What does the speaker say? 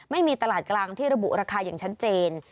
ไม่มีตลาดกลางที่ระบุราคาอย่างชัดเจน